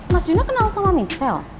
mas juna kenal sama michelle